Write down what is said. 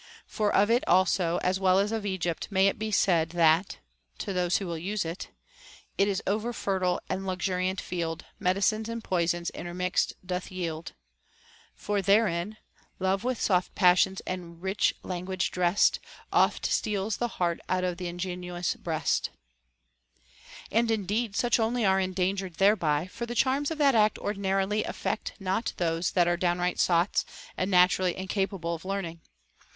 For of it also, as well as of Egypt, may it be said that (to those who will use it) for therein Its over fertile and luxuriant field Medicines and poisons interniixt doth yield ; Love with soft passions and rich language drest Oft steals the heart out of t'i' ingenuous breast.1 * Odyss. IV. 230 ; II. XIV. 216. 44 HOW A YOUNG MAN OUGHT And indeed such only are endangered thereby, for the charms of that art ordinarily affect not those that are downright sots and naturally incapable of learning.